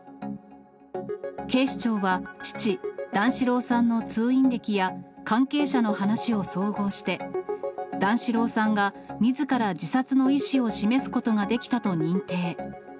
警視庁は、父、段四郎さんの通院歴や、関係者の話を総合して、段四郎さんがみずから自殺の意思を示すことができたと認定。